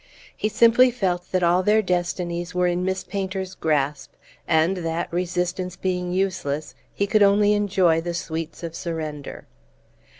He simply felt that all their destinies were in Miss Painter's grasp, and that, resistance being useless, he could only enjoy the sweets of surrender.